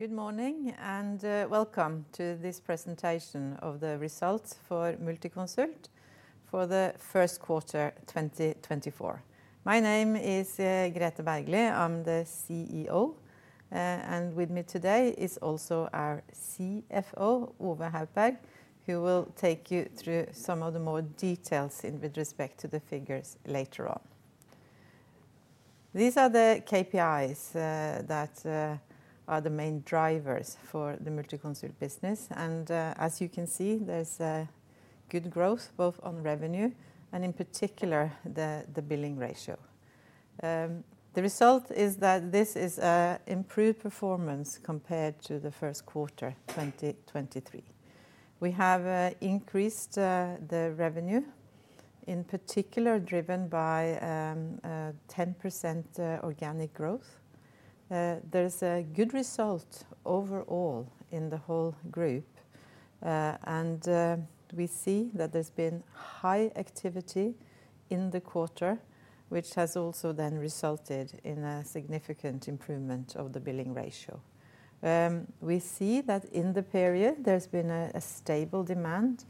Good morning and welcome to this presentation of the results for Multiconsult for the first quarter 2024. My name is Grethe Bergly, I'm the CEO, and with me today is also our CFO Ove Haupberg, who will take you through some of the more details with respect to the figures later on. These are the KPIs that are the main drivers for the Multiconsult business, and as you can see there's good growth both on revenue and in particular the billing ratio. The result is that this is improved performance compared to the first quarter 2023. We have increased the revenue, in particular driven by 10% organic growth. There's a good result overall in the whole group, and we see that there's been high activity in the quarter, which has also then resulted in a significant improvement of the billing ratio. We see that in the period there's been a stable demand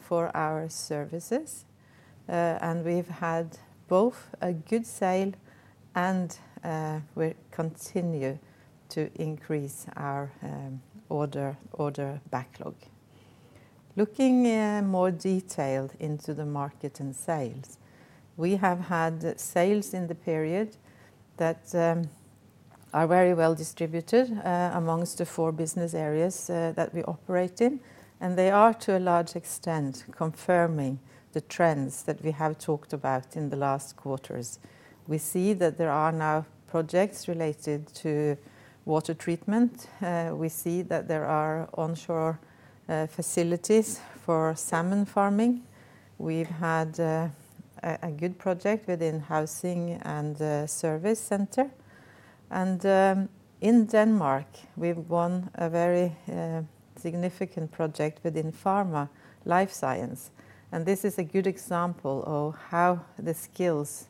for our services, and we've had both a good sale and we continue to increase our order backlog. Looking more detailed into the market and sales, we have had sales in the period that are very well distributed among the four business areas that we operate in, and they are to a large extent confirming the trends that we have talked about in the last quarters. We see that there are now projects related to water treatment. We see that there are onshore facilities for salmon farming. We've had a good project within housing and service center. And in Denmark we've won a very significant project within pharma, life science, and this is a good example of how the skills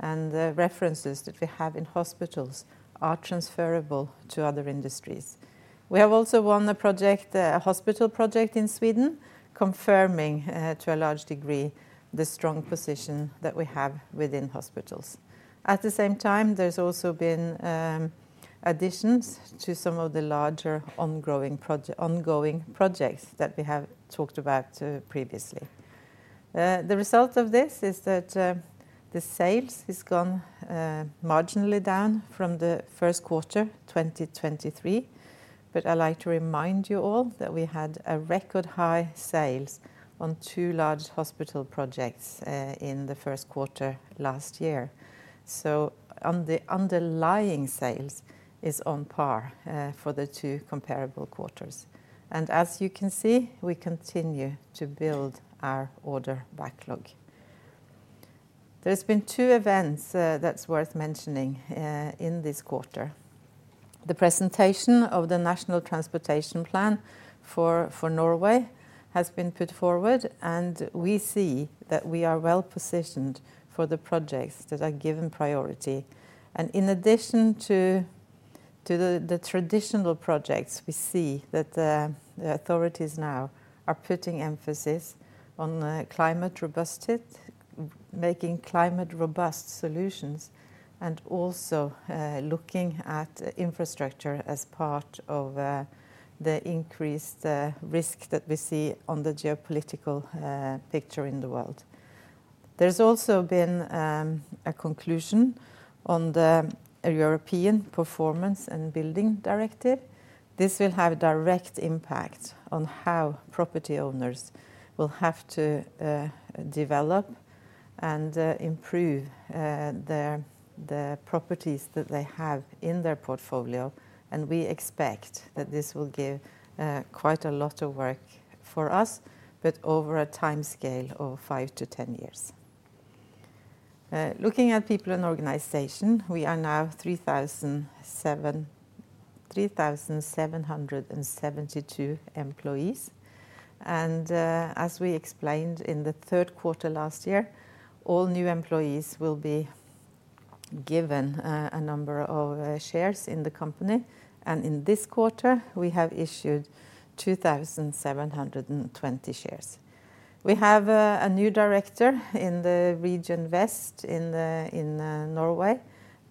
and references that we have in hospitals are transferable to other industries. We have also won a hospital project in Sweden, confirming to a large degree the strong position that we have within hospitals. At the same time there's also been additions to some of the larger ongoing projects that we have talked about previously. The result of this is that the sales have gone marginally down from the first quarter 2023, but I'd like to remind you all that we had a record high sales on two large hospital projects in the first quarter last year. So underlying sales is on par for the two comparable quarters. As you can see we continue to build our order backlog. There's been two events that's worth mentioning in this quarter. The presentation of the National Transportation Plan for Norway has been put forward, and we see that we are well positioned for the projects that are given priority. In addition to the traditional projects we see that the authorities now are putting emphasis on climate robustness, making climate robust solutions, and also looking at infrastructure as part of the increased risk that we see on the geopolitical picture in the world. There's also been a conclusion on the European Performance and Building Directive. This will have a direct impact on how property owners will have to develop and improve the properties that they have in their portfolio, and we expect that this will give quite a lot of work for us, but over a time scale of 5-10 years. Looking at people and organization, we are now 3,772 employees. As we explained in the third quarter last year, all new employees will be given a number of shares in the company, and in this quarter we have issued 2,720 shares. We have a new director in the region west in Norway.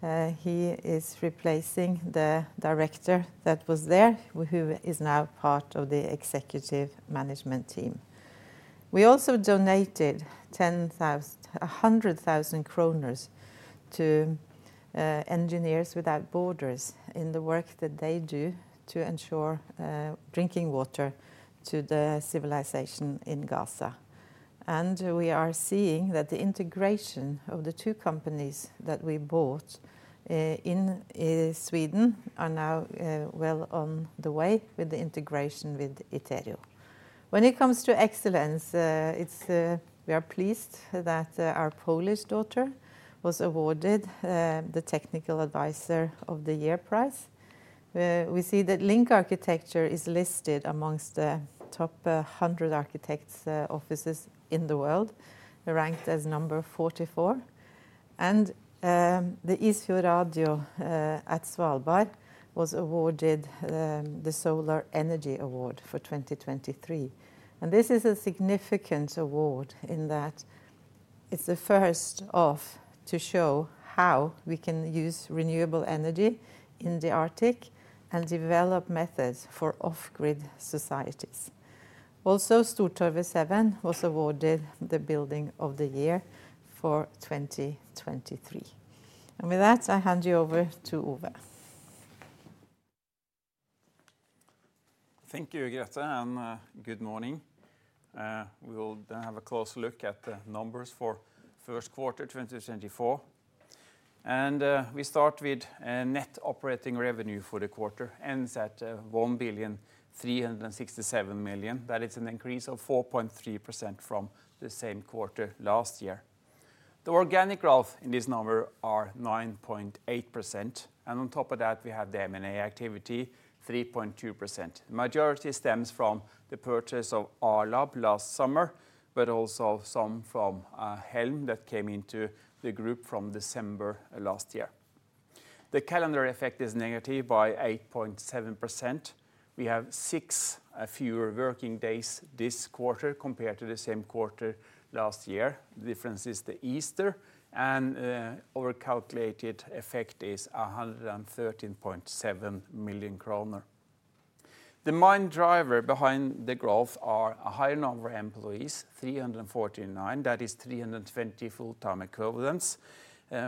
He is replacing the director that was there, who is now part of the executive management team. We also donated 100,000 kroner to Engineers Without Borders in the work that they do to ensure drinking water to the civilization in Gaza. We are seeing that the integration of the two companies that we bought in Sweden are now well on the way with the integration with Iterio. When it comes to excellence, we are pleased that our Polish daughter was awarded the Technical Advisor of the Year prize. We see that LINK Arkitektur is listed among the top 100 architects' offices in the world, ranked as number 44. The Isfjord Radio at Svalbard was awarded the Solar Energy Award for 2023. This is a significant award in that it's the first of to show how we can use renewable energy in the Arctic and develop methods for off-grid societies. Also Stortorvet 7 was awarded the Building of the Year for 2023. With that I hand you over to Ove. Thank you, Grethe, and good morning. We will then have a close look at the numbers for first quarter 2024. We start with net operating revenue for the quarter ends at 1,367,000,000. That is an increase of 4.3% from the same quarter last year. The organic growth in this number is 9.8%, and on top of that we have the M&A activity at 3.2%. The majority stems from the purchase of R-Lab last summer, but also some from Helm that came into the group from December last year. The calendar effect is negative by 8.7%. We have six fewer working days this quarter compared to the same quarter last year. The difference is the Easter, and our calculated effect is 113.7 million kroner. The main driver behind the growth is a higher number of employees, 349, that is 320 full-time equivalents.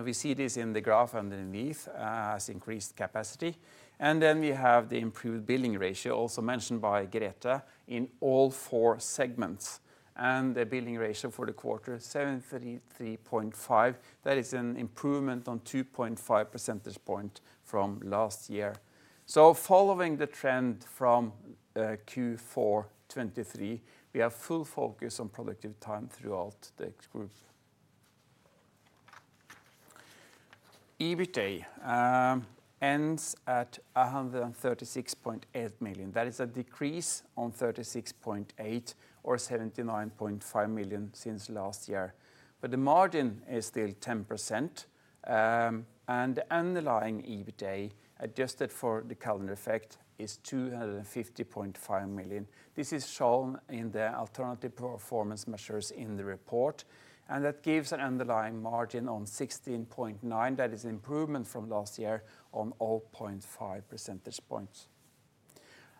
We see this in the graph underneath as increased capacity. Then we have the improved billing ratio, also mentioned by Grethe, in all four segments. The billing ratio for the quarter is 733.5%, that is an improvement on 2.5 percentage points from last year. So following the trend from Q4 2023, we have full focus on productive time throughout the group. EBITDA ends at 136.8 million, that is a decrease on 36.8 million or 79.5 million since last year. But the margin is still 10%, and the underlying EBITDA adjusted for the calendar effect is 250.5 million. This is shown in the alternative performance measures in the report, and that gives an underlying margin of 16.9%, that is an improvement from last year on 0.5 percentage points.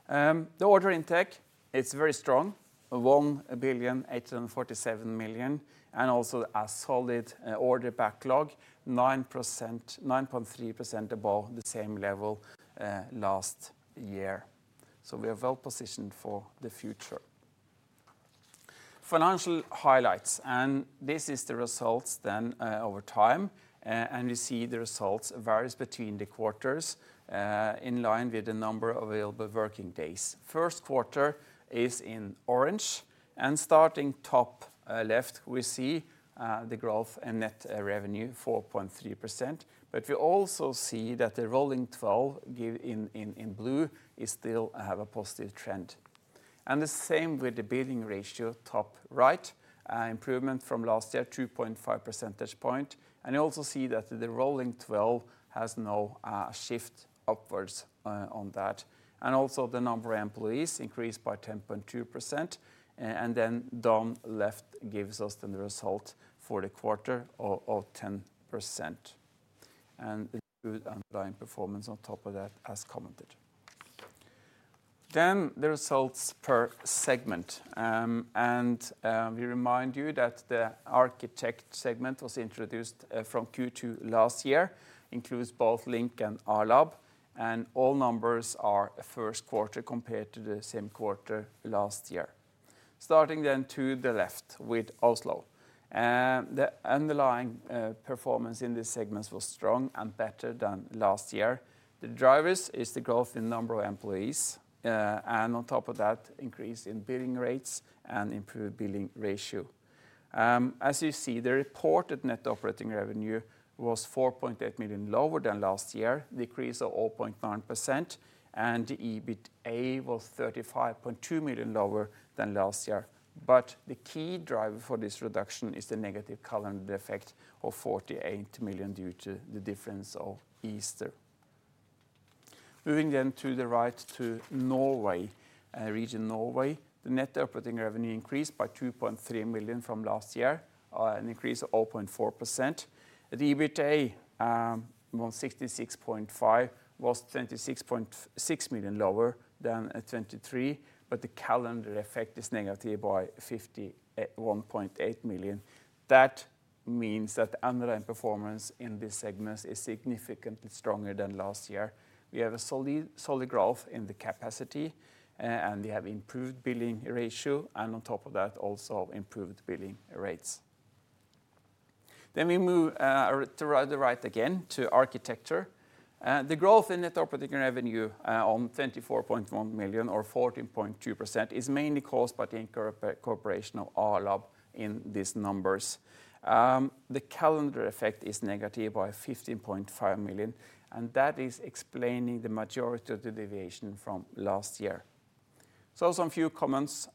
The order intake is very strong, 1,847 million, and also a solid order backlog, 9.3% above the same level last year. So we are well positioned for the future. Financial highlights, and this is the results then over time, and we see the results vary between the quarters in line with the number of available working days. First quarter is in orange, and starting top left we see the growth in net revenue 4.3%, but we also see that the rolling 12 in blue still have a positive trend. And the same with the billing ratio top right, improvement from last year 2.5 percentage points, and you also see that the rolling 12 has no shift upwards on that. And also the number of employees increased by 10.2%, and then down left gives us then the result for the quarter of 10%. And good underlying performance on top of that as commented. Then the results per segment, and we remind you that the architect segment was introduced from Q2 last year, includes both LINK and R-Lab, and all numbers are first quarter compared to the same quarter last year. Starting then to the left with Oslo. The underlying performance in these segments was strong and better than last year. The drivers are the growth in the number of employees, and on top of that increase in billing rates and improved billing ratio. As you see the reported net operating revenue was 4.8 million lower than last year, decrease of 0.9%, and the EBITDA was 35.2 million lower than last year. But the key driver for this reduction is the negative calendar effect of 48 million due to the difference of Easter. Moving then to the right to Region Norway, the net operating revenue increased by 2.3 million from last year, an increase of 0.4%. The EBITDA of 66.5% was 26.6 million lower than 2023, but the calendar effect is negative by 1.8 million. That means that the underlying performance in these segments is significantly stronger than last year. We have a solid growth in the capacity, and we have improved billing ratio, and on top of that also improved billing rates. Then we move to the right again to architecture. The growth in net operating revenue on 24.1 million or 14.2% is mainly caused by the incorporation of R-Lab in these numbers. The calendar effect is negative by 15.5 million, and that is explaining the majority of the deviation from last year. So some few comments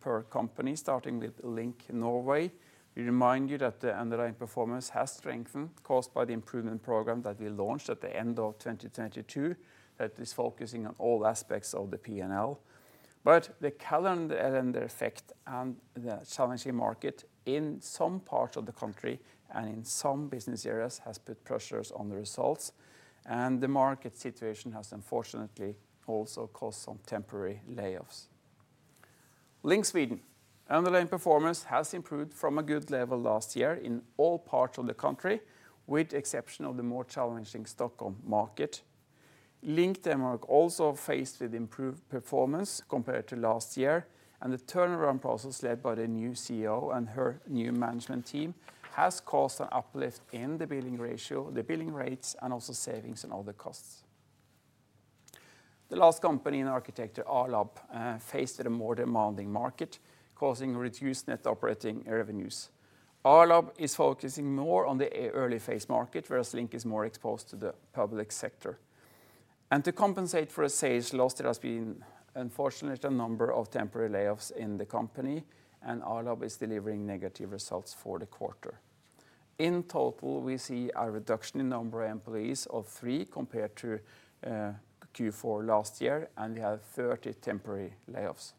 per company, starting with LINK Norway. We remind you that the underlying performance has strengthened, caused by the improvement program that we launched at the end of 2022, that is focusing on all aspects of the P&L. But the calendar effect and the challenging market in some parts of the country and in some business areas has put pressures on the results, and the market situation has unfortunately also caused some temporary layoffs. LINK Sweden, underlying performance has improved from a good level last year in all parts of the country, with the exception of the more challenging Stockholm market. LINK Denmark also faced with improved performance compared to last year, and the turnaround process led by the new CEO and her new management team has caused an uplift in the billing rates, and also savings on other costs. The last company in architecture R-Lab faced a more demanding market, causing reduced net operating revenues. R-Lab is focusing more on the early phase market, whereas Link is more exposed to the public sector. To compensate for the sales lost there has been unfortunately a number of temporary layoffs in the company, and R-Lab is delivering negative results for the quarter. In total we see a reduction in the number of employees of three compared to Q4 last year, and we have 30 temporary layoffs.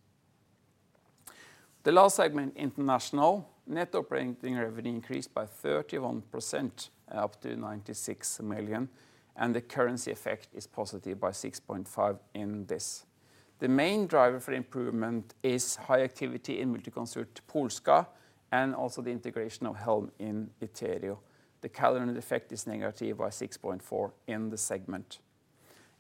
The last segment international, net operating revenue increased by 31% up to 96 million, and the currency effect is positive by 6.5% in this. The main driver for improvement is high activity in Multiconsult Polska, and also the integration of Helm in Iterio. The calendar effect is negative by 6.4% in the segment.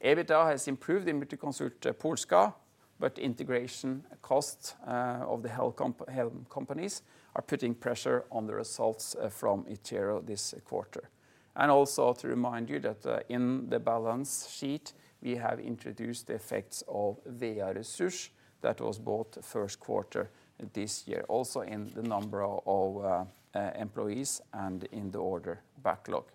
EBITDA has improved in Multiconsult Polska, but the integration costs of the Helm companies are putting pressure on the results from Iterio this quarter. And also to remind you that in the balance sheet we have introduced the effects of VA Resurs that was bought first quarter this year, also in the number of employees and in the order backlog.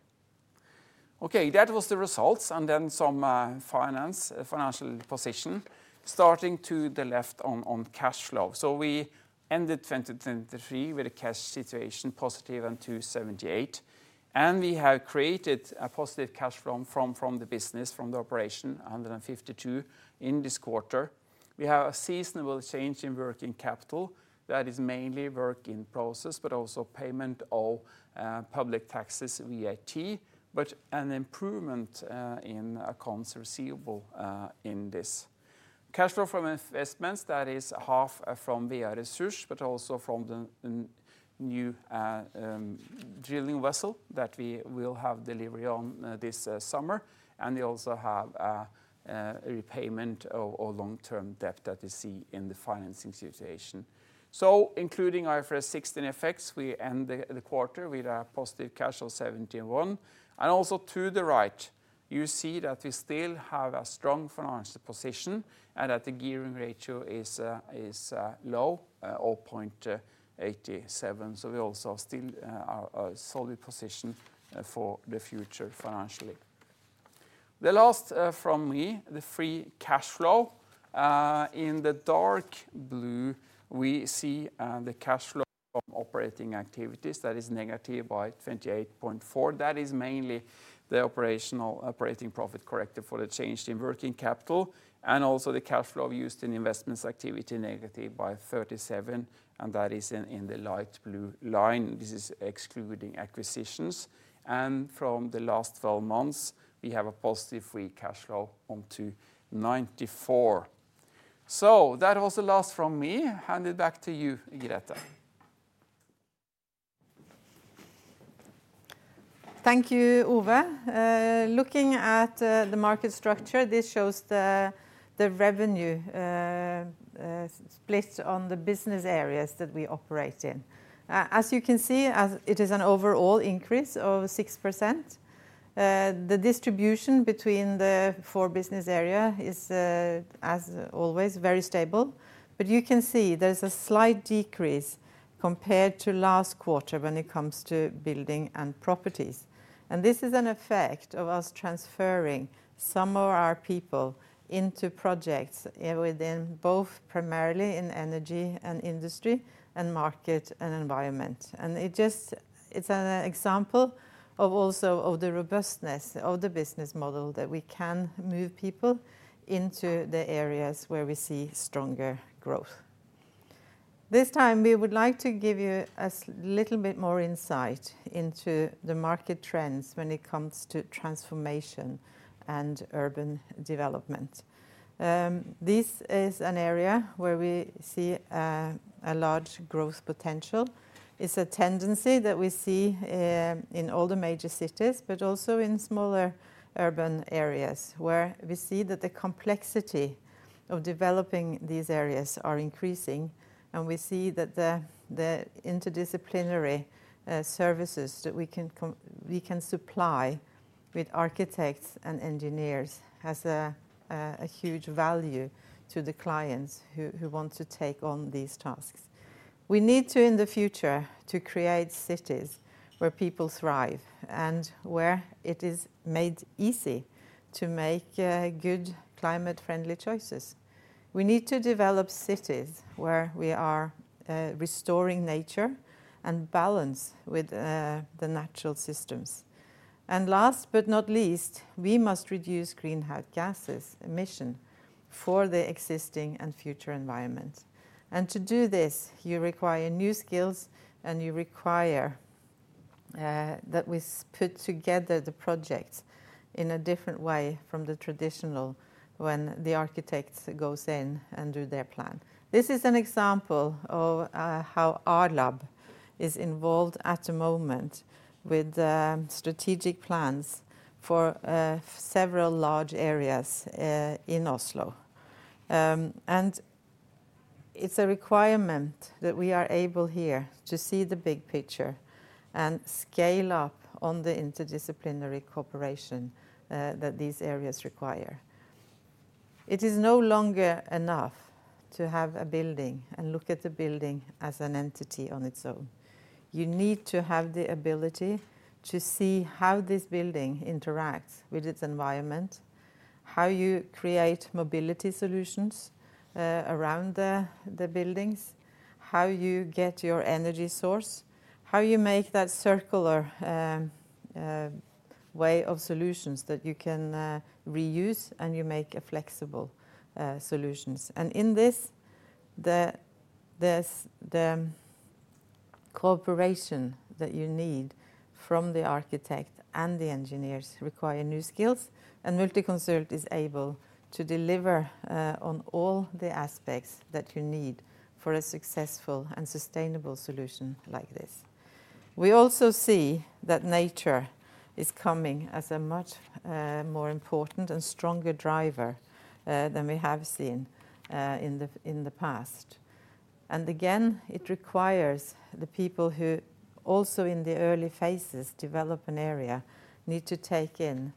Ok, that was the results and then some financial position. Starting to the left on cash flow. So we ended 2023 with a cash situation positive at 278 million, and we have created a positive cash flow from the business, from the operation, 152 million in this quarter. We have a seasonal change in working capital, that is mainly work in process, but also payment of public taxes via VAT, but an improvement in accounts receivable in this. Cash flow from investments that is half from VA Resurs, but also from the new drilling vessel that we will have delivery on this summer, and we also have a repayment of long-term debt that we see in the financing situation. So, including IFRS 16 effects we end the quarter with a positive cash flow of 71, and also to the right you see that we still have a strong financial position, and that the gearing ratio is low, 0.87%, so we also still have a solid position for the future financially. The last from me, the free cash flow. In the dark blue we see the cash flow from operating activities that is negative by 28.4%. That is mainly the operating profit corrected for the change in working capital, and also the cash flow used in investments activity negative by 37%, and that is in the light blue line. This is excluding acquisitions. And from the last 12 months we have a positive free cash flow onto 94%. So that was the last from me. Hand it back to you, Grethe. Thank you, Ove. Looking at the market structure, this shows the revenue split on the business areas that we operate in. As you can see, it is an overall increase of 6%. The distribution between the four business areas is as always very stable, but you can see there is a slight decrease compared to last quarter when it comes to building and properties. This is an effect of us transferring some of our people into projects within both primarily in energy and industry, and market and environment. It's an example of also of the robustness of the business model that we can move people into the areas where we see stronger growth. This time we would like to give you a little bit more insight into the market trends when it comes to transformation and urban development. This is an area where we see a large growth potential. It's a tendency that we see in all the major cities, but also in smaller urban areas, where we see that the complexity of developing these areas is increasing, and we see that the interdisciplinary services that we can supply with architects and engineers have a huge value to the clients who want to take on these tasks. We need to in the future to create cities where people thrive, and where it is made easy to make good climate-friendly choices. We need to develop cities where we are restoring nature and balance with the natural systems. Last but not least we must reduce greenhouse gas emissions for the existing and future environment. To do this you require new skills, and you require that we put together the projects in a different way from the traditional when the architect goes in and does their plan. This is an example of how R-Lab is involved at the moment with strategic plans for several large areas in Oslo. It's a requirement that we are able here to see the big picture and scale up on the interdisciplinary cooperation that these areas require. It is no longer enough to have a building and look at the building as an entity on its own. You need to have the ability to see how this building interacts with its environment, how you create mobility solutions around the buildings, how you get your energy source, how you make that circular way of solutions that you can reuse and you make flexible solutions. And in this the cooperation that you need from the architect and the engineers requires new skills, and Multiconsult is able to deliver on all the aspects that you need for a successful and sustainable solution like this. We also see that nature is coming as a much more important and stronger driver than we have seen in the past. And again it requires the people who also in the early phases develop an area need to take in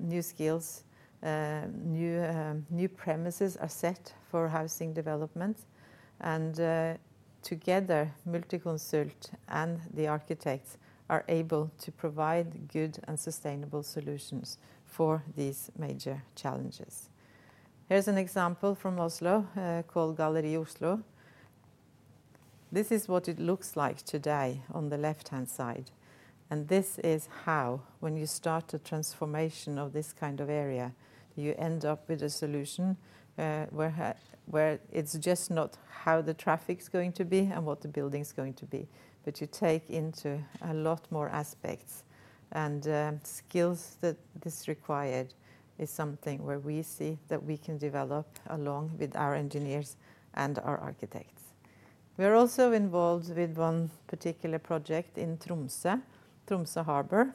new skills, new premises are set for housing development, and together Multiconsult and the architects are able to provide good and sustainable solutions for these major challenges. Here's an example from Oslo called Galleri Oslo. This is what it looks like today on the left-hand side, and this is how when you start a transformation of this kind of area you end up with a solution where it's just not how the traffic is going to be and what the building is going to be, but you take into a lot more aspects. Skills that this required is something where we see that we can develop along with our engineers and our architects. We are also involved with one particular project in Tromsø, Tromsø Harbour,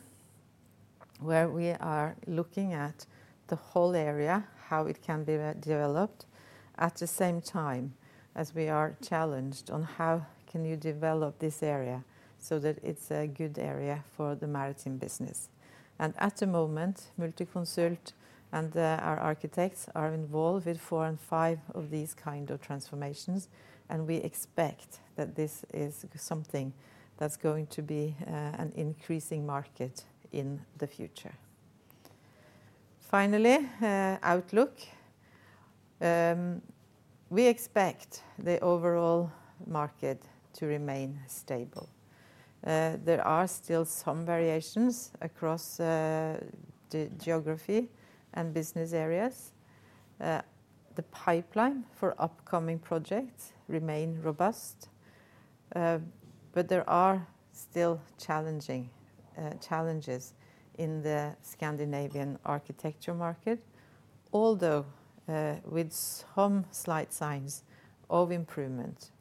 where we are looking at the whole area, how it can be developed, at the same time as we are challenged on how can you develop this area so that it's a good area for the maritime business. At the moment Multiconsult and our architects are involved with four and five of these kinds of transformations, and we expect that this is something that's going to be an increasing market in the future. Finally, Outlook. We expect the overall market to remain stable. There are still some variations across the geography and business areas. The pipeline for upcoming projects remains robust, but there are still challenges in the Scandinavian architecture market, although with some slight signs of improvement.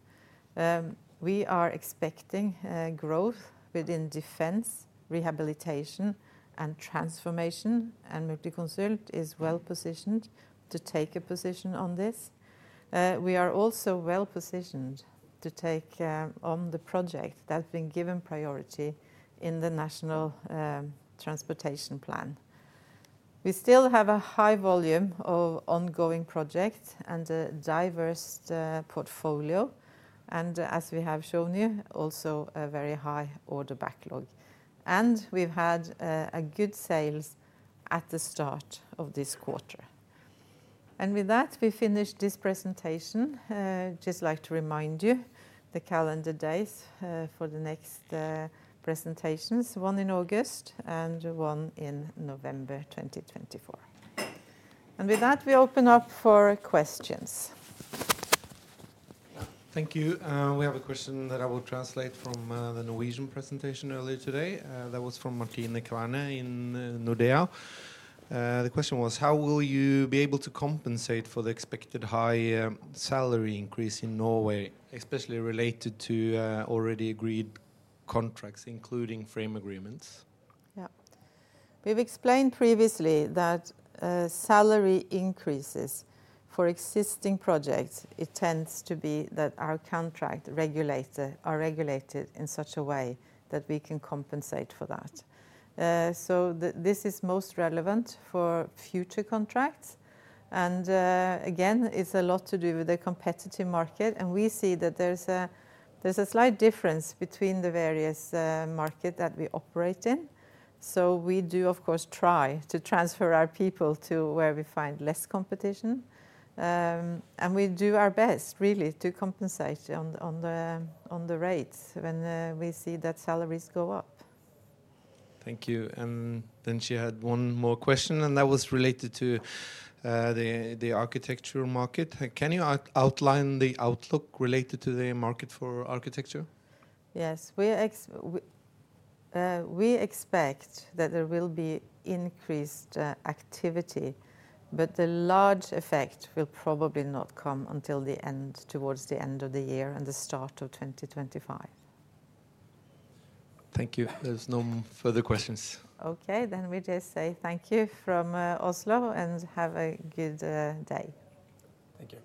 We are expecting growth within defense, rehabilitation, and transformation, and Multiconsult is well positioned to take a position on this. We are also well positioned to take on the project that's been given priority in the National Transportation Plan. We still have a high volume of ongoing projects and a diverse portfolio, and as we have shown you also a very high order backlog. We've had a good sales at the start of this quarter. With that we finish this presentation. I'd just like to remind you the calendar days for the next presentations, one in August and one in November 2024. With that we open up for questions. Thank you. We have a question that I will translate from the Norwegian presentation earlier today. That was from Martine Kverne in Nordea. The question was, how will you be able to compensate for the expected high salary increase in Norway, especially related to already agreed contracts including frame agreements? Yeah. We've explained previously that salary increases for existing projects it tends to be that our contracts are regulated in such a way that we can compensate for that. So this is most relevant for future contracts, and again it's a lot to do with the competitive market, and we see that there's a slight difference between the various markets that we operate in. So we do of course try to transfer our people to where we find less competition, and we do our best really to compensate on the rates when we see that salaries go up. Thank you. Then she had one more question and that was related to the architectural market. Can you outline the outlook related to the market for architecture? Yes. We expect that there will be increased activity, but the large effect will probably not come until the end, towards the end of the year and the start of 2025. Thank you. There's no further questions. OK, we just say thank you from Oslo and have a good day. Thank you.